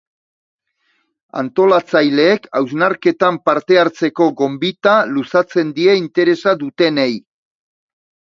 Antolatzaileek hausnarketan parte hartzeko gonbita luzatzen die interesa dutenei.